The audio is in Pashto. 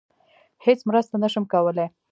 هیڅ مرسته نشم کولی.